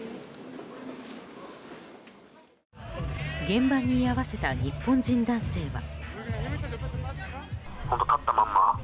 現場に居合わせた日本人男性は。